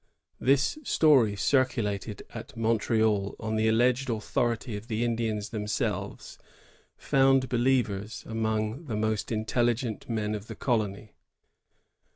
^ This story, circulated at Montreal on the alleged authority of the Indians themselves, found be lievers among the most intelligent men of the colony.